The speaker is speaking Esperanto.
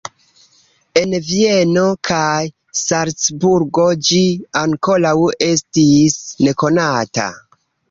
En Vieno kaj Salcburgo ĝi ankoraŭ estis nekonata.